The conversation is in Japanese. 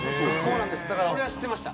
それは知ってました。